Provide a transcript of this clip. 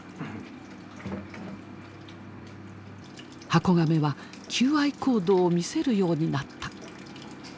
ハコガメは求愛行動を見せるようになった。